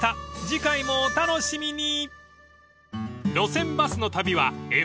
［次回もお楽しみに！］